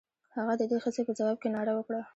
هغه د دې ښځې په ځواب کې ناره وکړه.